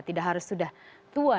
tidak harus sudah tua